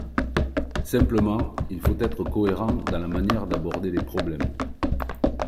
Simplement, il faut être cohérent dans la manière d’aborder les problèmes.